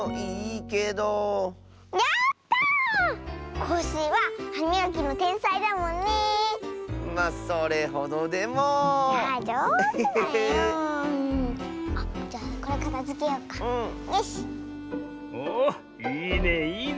おいいねいいね。